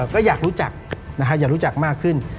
ก็อยากรู้จักอยากรู้จักมากขึ้น